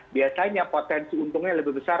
biasanya potensi untungnya lebih besar